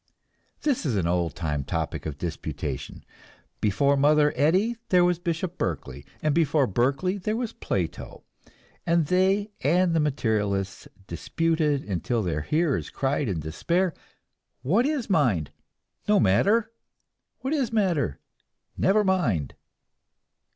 This is an old time topic of disputation. Before Mother Eddy there was Bishop Berkeley, and before Berkeley, there was Plato, and they and the materialists disputed until their hearers cried in despair, "What is Mind? No matter! What is Matter? Never mind!"